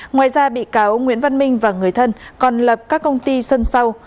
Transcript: ngoài ra bị cáo nguyễn văn minh và người thân còn lập các công ty sân sau